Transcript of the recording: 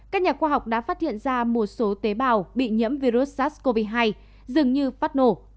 các nhà khoa học đã phát hiện ra một số tế bào bị nhiễm virus sars cov hai dường như phát nổ